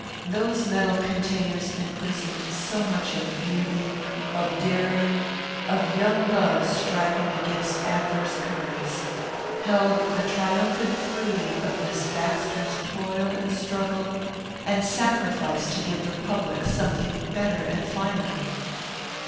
Those metal containers imprisoned so much of beauty, of daring, of young love striving against adverse currents held the triumphant fruiting of Miss Baxter's toil and struggle and sacrifice to give the public something better and finer.